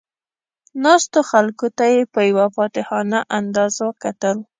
ناستو خلکو ته یې په یو فاتحانه انداز وکتل.